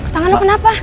tangan lu kenapa